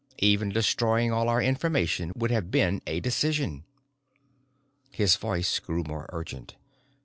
Even destroying all our information would have been a decision." His voice grew more urgent.